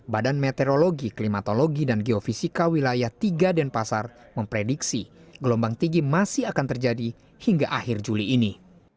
badan meteorologi klimatologi dan geofisika wilayah tiga denpasar memprediksi gelombang tinggi masih akan terjadi hingga akhir juli ini